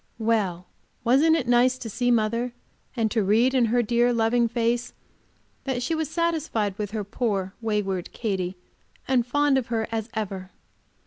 Well! wasn't it nice to see mother, and to read in her dear, loving face that she was satisfied with her poor, wayward Katy, and fond of her as ever!